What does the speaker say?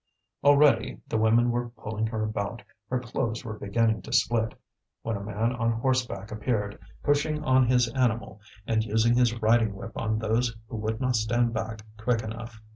Already the women were pulling her about; her clothes were beginning to split, when a man on horseback appeared, pushing on his animal, and using his riding whip on those who would not stand back quick enough.